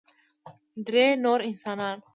درې نور انسانان